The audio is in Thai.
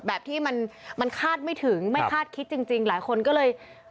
แบบที่มันคาดไม่ถึงไม่คาดคิดจริงหลายคนก็เลย